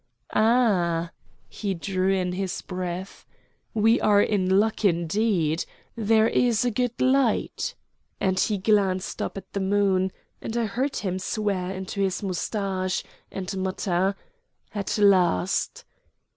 "Ah!" He drew in his breath. "We are in luck indeed. There is a good light," and he glanced up at the moon, and I heard him swear into his mustache, and mutter, "At last!"